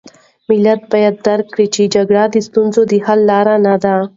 ملت باید درک کړي چې جګړه د ستونزو د حل لاره نه ده.